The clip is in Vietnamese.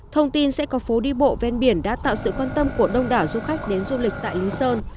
thông tin sẽ có phố đi bộ ven biển đã tạo sự quan tâm của đông đảo du khách đến du lịch tại lý sơn